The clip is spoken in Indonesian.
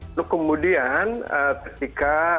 lalu kemudian ketika